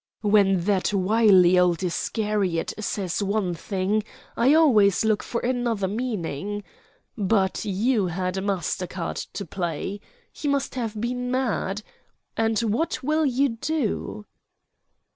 "When that wily old Iscariot says one thing, I always look for another meaning. But you had a master card to play. He must have been mad. And what will you do?"